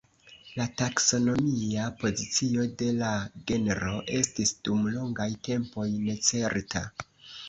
La taksonomia pozicio de la genro estis dum longaj tempoj necerta.